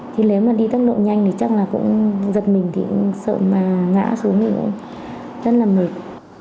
chứ nếu mà đi tốc độ nhanh thì chắc là cũng giật mình thì cũng sợ mà ngã xuống thì cũng rất là mệt